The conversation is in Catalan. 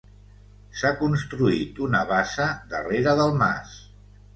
S'ha construït una bassa darrere del mas.